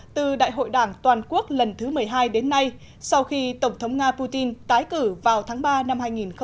từ đại hội đảng toàn quốc lần thứ một mươi hai đến nay sau khi tổng thống nga putin tái cử vào tháng ba năm hai nghìn một mươi chín